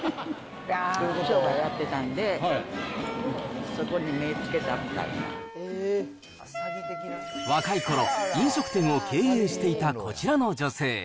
商売やってたんで、若いころ、飲食店を経営していたこちらの女性。